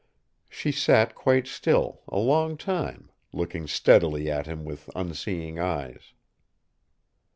She sat quite still, a long time, looking steadily at him with unseeing eyes.